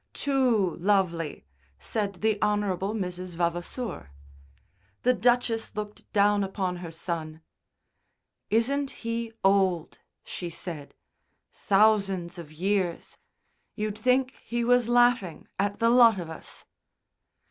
"Too lovely," said the Hon. Mrs. Vavasour. The Duchess looked down upon her son. "Isn't he old?" she said. "Thousands of years. You'd think he was laughing at the lot of us."